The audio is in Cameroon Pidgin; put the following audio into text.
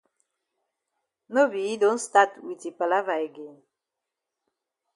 No be yi don stat wit yi palava again.